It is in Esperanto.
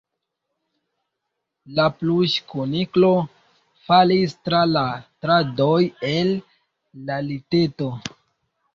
La pluŝkuniklo falis tra la kradoj el la liteto.